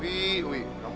wih kamu itu gimana sih